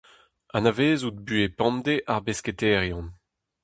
Anavezout buhez pemdez ar besketaerien.